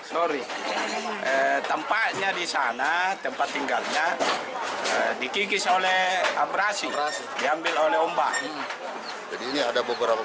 sorry tempatnya di sana tempat tinggalnya dikikis oleh abrasi diambil oleh ombak jadi ini ada beberapa